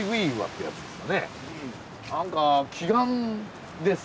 何か奇岩ですね